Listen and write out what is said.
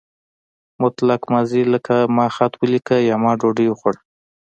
مطلق ماضي لکه ما خط ولیکه یا ما ډوډۍ وخوړه.